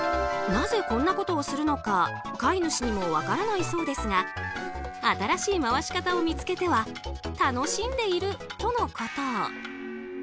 なぜ、こんなことをするのか飼い主にも分からないそうですが新しい回し方を見つけては楽しんでいるとのこと。